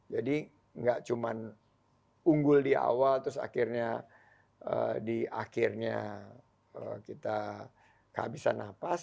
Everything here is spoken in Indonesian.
jadi gak cuman unggul di awal terus akhirnya di akhirnya kita kehabisan napas